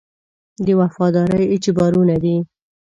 د وفادارۍ اجبارونه دي.